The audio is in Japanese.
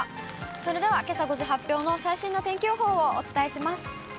それでは、けさ５時発表の最新の天気予報をお伝えします。